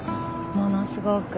ものすごく。